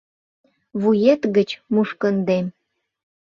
Вует гыч мушкындем.